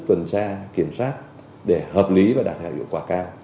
phần xa kiểm soát để hợp lý và đạt hợp hiệu quả cao